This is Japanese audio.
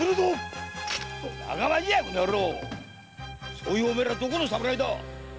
そういうお前らどこの侍だ？